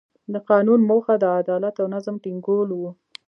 د قانون موخه د عدالت او نظم ټینګول وو.